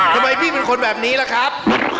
ทำไมพี่เป็นคนแบบนี้ล่ะครับ